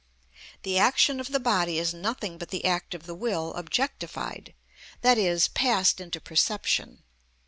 The action of the body is nothing but the act of the will objectified, i.e., passed into perception.